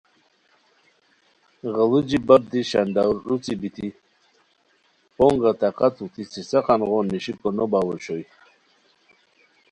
غیڑوچی بپ دی شنڈاروڅی بیتی پو نگہ طاقت اوتی څیڅیقان غون نیشیکو نو باؤ اوشوئے